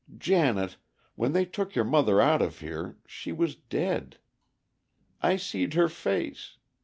"Janet—when they took your mother out of here, she was dead. I seed her face.